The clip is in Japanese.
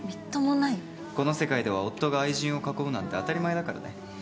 この世界では夫が愛人を囲うなんて当たり前だからね。